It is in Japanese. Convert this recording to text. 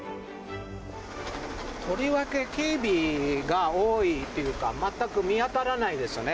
とりわけ警備が多いというか全く見当たらないですね。